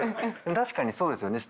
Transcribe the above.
確かにそうですよね。